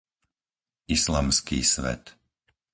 islamský svet